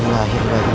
kau harus berhenti